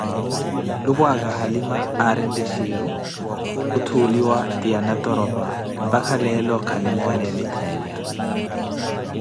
Nlupwaaka, Halima, aari ntittiiru, kutthuuliwa ti anatoropa, mpaka leelo akimooneeni theenya.